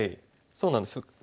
そうなんです。